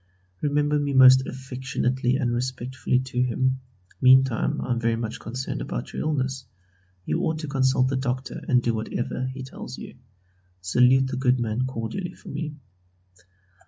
Remember me most affectionately and respectfully to him. Meantime I am very much concerned about your illness. You ought to consult the doctor and do whatever he tells you. Salute the good man cordially for me.